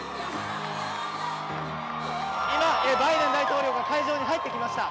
今、バイデン大統領が会場に入ってきました。